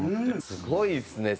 すごいですね。